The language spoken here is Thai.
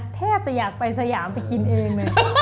แทบจะอยากไปสยามไปกินเองเลย